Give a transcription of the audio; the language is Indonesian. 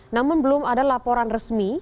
namun belum ada laporan resmi